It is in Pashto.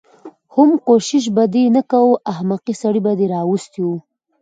حم کوشش به دې نه کوه احمقې سړی به دې راوستی و.